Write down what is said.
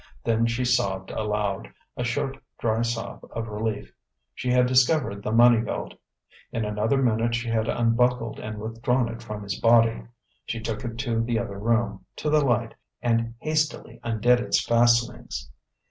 Then she sobbed aloud, a short, dry sob of relief. She had discovered the money belt. In another minute she had unbuckled and withdrawn it from his body. She took it to the other room, to the light, and hastily undid its fastenings.